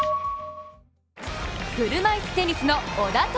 車いすテニスの小田凱